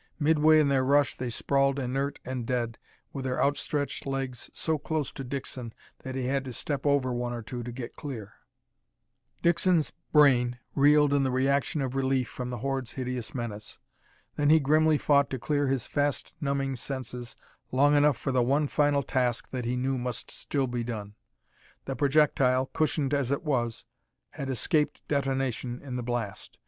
Midway in their rush they sprawled inert and dead, with their outstretched legs so close to Dixon that he had to step over one or two to get clear. Dixon's brain reeled in the reaction of relief from the horde's hideous menace. Then he grimly fought to clear his fast numbing senses long enough for the one final task that he knew must still be done. The projectile, cushioned as it was, had escaped detonation in the blast.